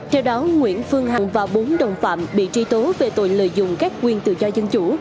theo đó nguyễn phương hằng và bốn đồng phạm bị truy tố về tội lợi dụng các quyền tự do dân chủ